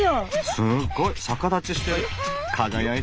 すっごい！